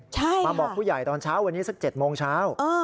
ใช่มาบอกผู้ใหญ่ตอนเช้าวันนี้สัก๗โมงเช้า